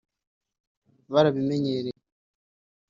barabinyemereye